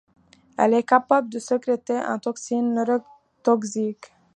Elle est capable de sécréter une toxine neurotoxique.